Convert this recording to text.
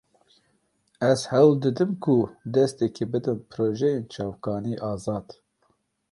Ez hewl didim ku destekê bidim projeyên çavkanî-azad.